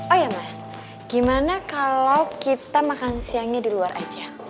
oh ya mas gimana kalau kita makan siangnya di luar aja